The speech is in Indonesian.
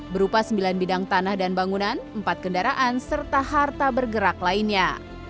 berupa sembilan bidang tanah dan bangunan empat kendaraan serta harta bergerak lainnya